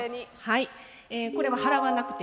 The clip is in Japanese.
はい。